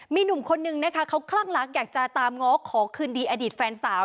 มีหนุ่มคนนึงนะคะเขาคลั่งรักอยากจะตามง้อขอคืนดีอดีตแฟนสาว